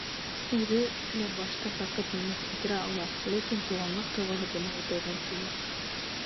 Үҙе лә башты ҡырҡып миңә килтерә ала, ләкин туғанлыҡ тойғоһо быны үтәүҙән тыя.